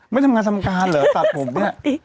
ไม่ทำงานสำนักการณ์เหรอตัดผมเนี่ย